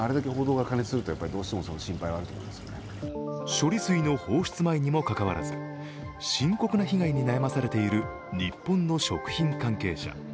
処理水の放出前にもかかわらず深刻な被害に悩まされている日本の食品関係者。